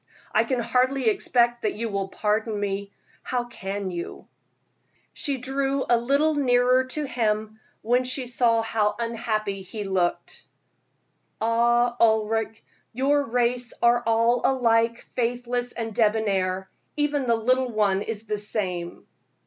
I can hardly expect that you will pardon me. How can you?" She drew a little nearer to him when she saw how unhappy he looked. "Ah, Ulric," she said, "your race are all alike faithless and debonair; even the little one is the same."